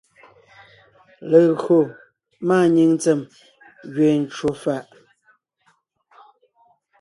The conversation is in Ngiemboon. Légÿo máanyìŋ ntsèm gẅeen ncwò fàʼ,